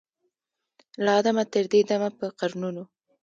له آدمه تر دې دمه په قرنونو